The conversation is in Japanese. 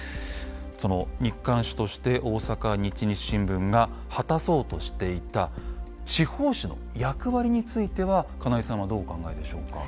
その日刊紙として大阪日日新聞が果たそうとしていた地方紙の役割については金井さんはどうお考えでしょうか？